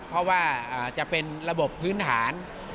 เพราะว่าจะเป็นระบบพื้นฐาน